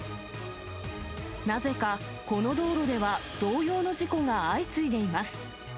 なぜかこの道路では、同様の事故が相次いでいます。